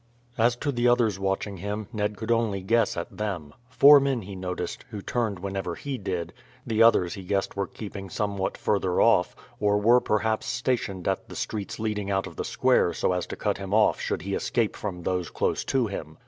As to the others watching him, Ned could only guess at them. Four men he noticed, who turned whenever he did; the others he guessed were keeping somewhat further off, or were perhaps stationed at the streets leading out of the square so as to cut him off should he escape from those close to him.